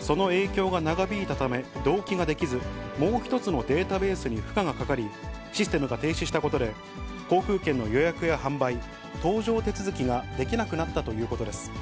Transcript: その影響が長引いたため、同期ができず、もう１つのデータベースに負荷がかかり、システムが停止したことで、航空券の予約や販売、搭乗手続きができなくなったということです。